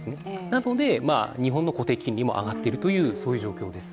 なので日本の固定金利も上がっている、そういう状況です。